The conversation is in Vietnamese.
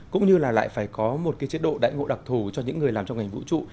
cũng như là lại phải có một cái chế độ đại ngộ đặc thù cho những người làm trong ngành vũ trụ